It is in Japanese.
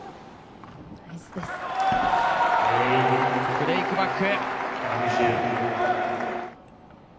ブレークバック。